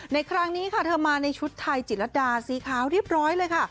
ในครั้งนี้เธอมาในชุดทายจีรดาสีเขาเรียบร้อยเลย